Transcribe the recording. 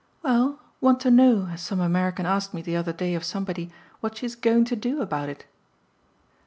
"Well, want to know, as some American asked me the other day of somebody, what she's 'going to do' about it."